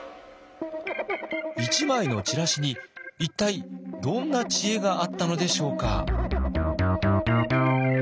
１枚のチラシに一体どんな知恵があったのでしょうか？